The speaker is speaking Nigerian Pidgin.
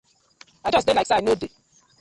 I just dey oo, like say I no dey.